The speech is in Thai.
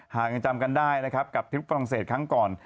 หากยังจำกันได้นะครับกับทริปฝรั่งเศสครั้งก่อน